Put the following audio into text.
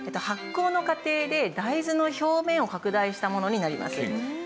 発酵の過程で大豆の表面を拡大したものになります。